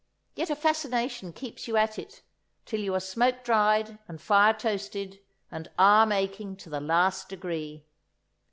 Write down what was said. Yet a fascination keeps you at it, till you are smoke dried and fire toasted and arm aching to the last degree.